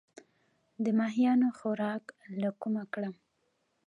د ماهیانو خوراک له کومه کړم؟